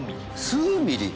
数ミリ。